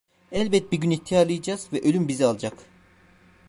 Elbet bir gün ihtiyarlayacağız Ve ölüm bizi alacak.